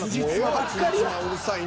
うるさいな。